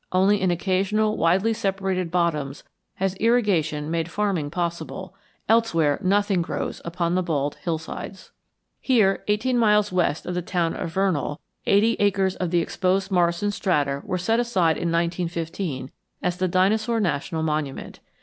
Only in occasional widely separated bottoms has irrigation made farming possible; elsewhere nothing grows upon the bald hillsides. Here, eighteen miles east of the town of Vernal, eighty acres of the exposed Morrison strata were set aside in 1915 as the Dinosaur National Monument.